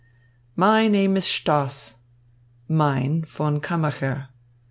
"My name is Stoss." "Mine, Von Kammacher."